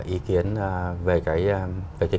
ý kiến về cái